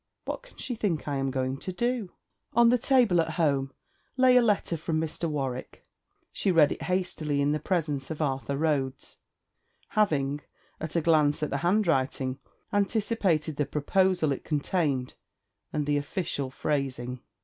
'What can she think I am going to do!' On her table at home lay, a letter from Mr. Warwick. She read it hastily in the presence of Arthur Rhodes, having at a glance at the handwriting anticipated the proposal it contained and the official phrasing.